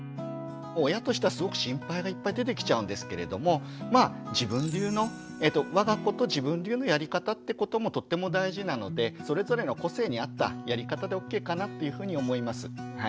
親としてはすごく心配がいっぱい出てきちゃうんですけれどもまあ自分流のわが子と自分流のやり方ってこともとっても大事なのでそれぞれの個性に合ったやり方でＯＫかなっていうふうに思います。